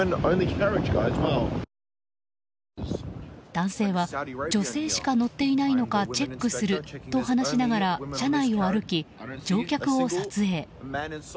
男性は女性しか乗っていないのかチェックすると話しながら車内を歩き乗客を撮影。